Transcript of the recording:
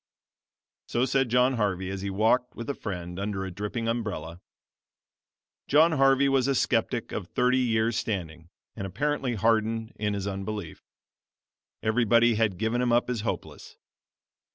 So said John Harvey as he walked with a friend under a dripping umbrella. John Harvey was a skeptic of thirty years standing and apparently hardened in his unbelief. Everybody had given him up as hopeless.